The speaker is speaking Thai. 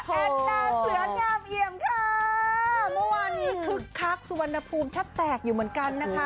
แอนนาเสืองามเอี่ยมค่ะเมื่อวานนี้คึกคักสุวรรณภูมิแทบแตกอยู่เหมือนกันนะคะ